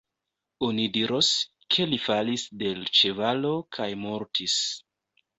Oni diros, ke li falis de l' ĉevalo kaj mortis.